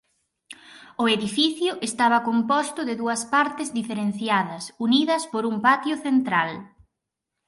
O edificio estaba composto de dúas partes diferenciadas unidas por un patio central.